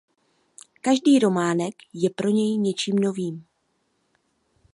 Každý románek je pro něj něčím novým.